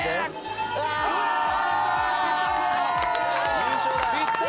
優勝だよ！